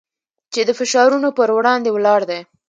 چې د فشارونو پر وړاندې ولاړ دی.